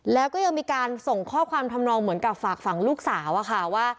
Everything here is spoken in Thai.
แล้วก็ยังมีการส่งข้อความทำนองเหมือนกับฝากฝั่งลูกสาวอะค่ะว่า